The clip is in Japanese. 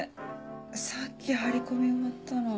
さっき張り込み終わったの。